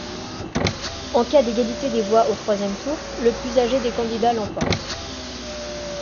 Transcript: En cas d'égalité des voix au troisième tour, le plus âgé des candidats l'emporte.